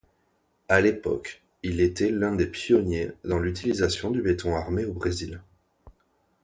À l’époque, il était l’un des pionniers dans l’utilisation du béton armé au Brésil.